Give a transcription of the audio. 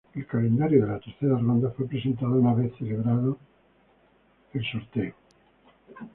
El calendario de la tercera ronda fue presentado una vez celebrado el sorteo.